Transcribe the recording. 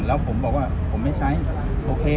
แล้วผมบอกว่าผมไม่ใช้โอเค